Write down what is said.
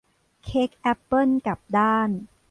เค้กแอปเปิ้ลกลับด้าน